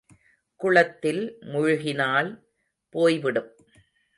குளத்தில் முழுகினால் போய் விடும்.